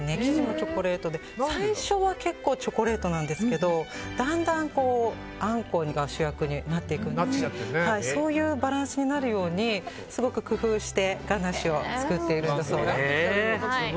最初は結構チョコレートなんですけどだんだんあんこが主役になっていくそういうバランスになるようにすごく工夫してガナッシュを作っているんだそうです。